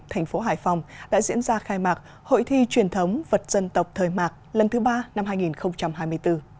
thành phố hải phòng đã diễn ra khai mạc hội thi truyền thống vật dân tộc thời mạc lần thứ ba năm hai nghìn hai mươi bốn